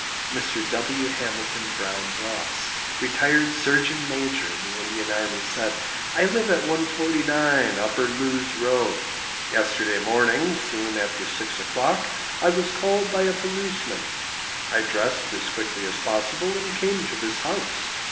Mr. W. Hamilton Brown Ross, retired surgeon major in the Indian army, said I live at 149, Upper Lewes Road. Yesterday morning, soon after six o'clock, I was called by a policeman. I dressed as quickly as possible and came to this house.